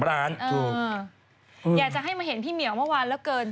อยากจะให้มาเห็นพี่เหมียวเมื่อวานเหลือเกิน